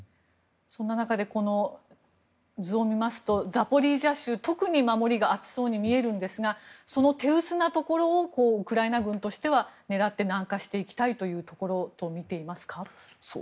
そんな中でこの図を見ますとザポリージャ州特に守りが厚そうに見えるんですがその手薄なところをウクライナ軍としては狙って、南下していきたいというところと見ていますか？